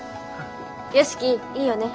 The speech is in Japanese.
良樹いいよね？